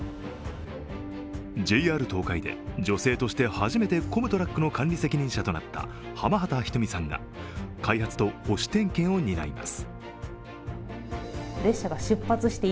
ＪＲ東海で女性として初めてコムトラックの管理責任者となった浜畑仁美さんが、開発と保守点検を担います。